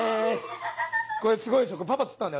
これすごいでしょパパ釣ったんだよ。